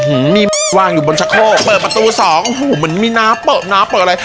อืมมีวางอยู่บนชะโคกเปิดประตูสองโอ้โหเหมือนมีน้ำเปิบน้ำเปิดอะไร